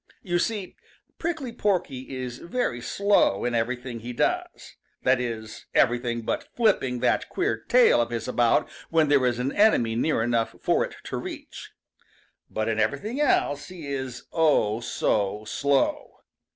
You see, Prickly Porky is very slow in everything he does, that is everything but flipping that queer tail of his about when there is an enemy near enough for it to reach. But in everything else he is oh, so slow!